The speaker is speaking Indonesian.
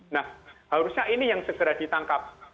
nah harusnya ini yang segera ditangkap